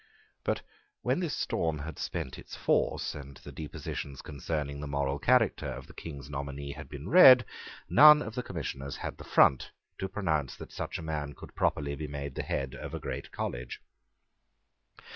But when this storm had spent its force, and the depositions concerning the moral character of the King's nominee had been read, none of the Commissioners had the front to pronounce that such a man could properly be made the head of a great college.